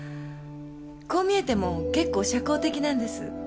こう見えても結構社交的なんです。